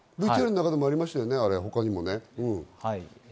ＶＴＲの中でもありましたね、他にもね。